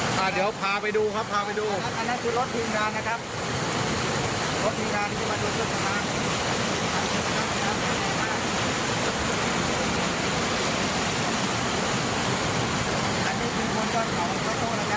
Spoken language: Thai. พาไปดูครับพาไปดูอันนั้นคือรถพิมพ์ร้านนะครับ